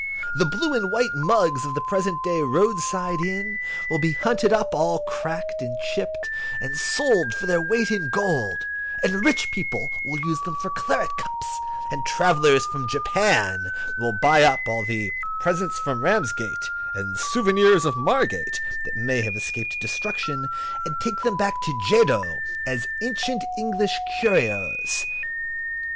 The blue and white mugs of the present day roadside inn will be hunted up, all cracked and chipped, and sold for their weight in gold, and rich people will use them for claret cups; and travellers from Japan will buy up all the "Presents from Ramsgate," and "Souvenirs of Margate," that may have escaped destruction, and take them back to Jedo as ancient English curios.